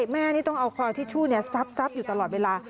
แม่อาคอลทิชชูซับอยู่ตลอดเวลา